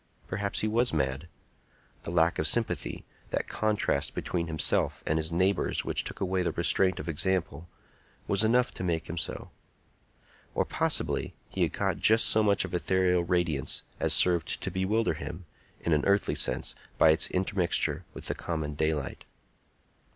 Perhaps he was mad. The lack of sympathy—that contrast between himself and his neighbors which took away the restraint of example—was enough to make him so. Or possibly he had caught just so much of ethereal radiance as served to bewilder him, in an earthly sense, by its intermixture with the common daylight.